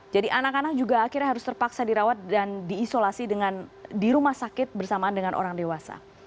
jadi anak anak juga akhirnya harus terpaksa dirawat dan diisolasi di rumah sakit bersamaan dengan orang dewasa